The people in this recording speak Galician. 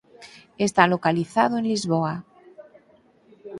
Está localizado en Lisboa.